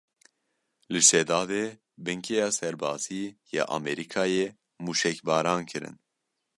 Li Şedadê binkeya serbazî ya Amerîkayê mûşekbaran kirin.